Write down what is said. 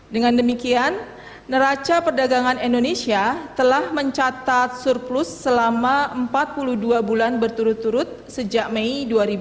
dengan demikian neraca perdagangan indonesia telah mencatat surplus selama empat puluh dua bulan berturut turut sejak mei dua ribu dua puluh